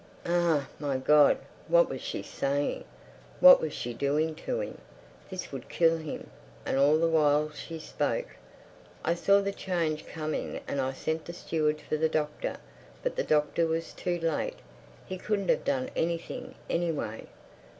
Ah, my God, what was she saying! What was she doing to him! This would kill him! And all the while she spoke: "I saw the change coming and I sent the steward for the doctor, but the doctor was too late. He couldn't have done anything, anyway."